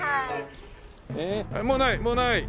もうないもうない。